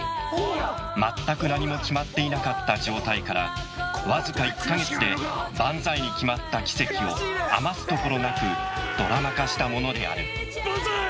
全く何も決まっていなかった状態からわずか１か月で「バンザイ」に決まった奇跡を余すところなくドラマ化したものであるバンザイ！